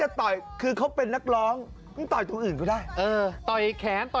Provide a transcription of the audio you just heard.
อะไรที่เราคุยเรื่องฟิลเลอร์กันมาหมอกระเป๋านี่คือไม่เกี่ยวเลยนะ